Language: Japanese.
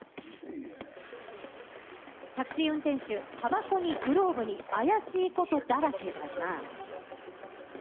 タクシー運転手、たばこにグローブに怪しいことだらけだな。